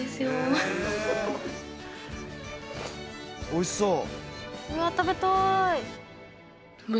おいしそう。